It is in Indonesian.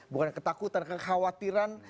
bukan ketakutan kekhawatiran